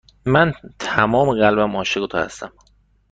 من تمام قلبم عاشق تو هستم.